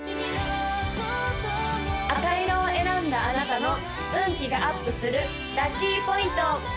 赤色を選んだあなたの運気がアップするラッキーポイント！